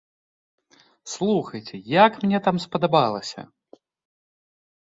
Слухайце, як мне там спадабалася!